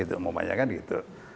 umumnya kan gitu